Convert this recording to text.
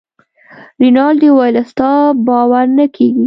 رینالډي وویل ستا باور نه کیږي.